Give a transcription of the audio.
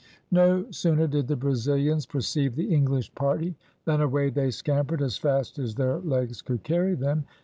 No sooner did the Brazilians perceive the English party than away they scampered as fast as their legs could carry them.